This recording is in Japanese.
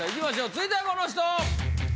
続いてはこの人！